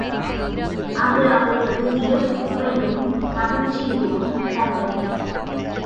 அது அவருக்கு வியப்பையும் மகிழ்ச்சியையும் தந்தது.